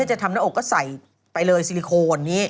จะทำหน้าอกก็ใส่ไปเลยซิลิโคนนี้